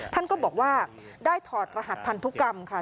ท่านก็บอกว่าได้ถอดรหัสพันธุกรรมค่ะ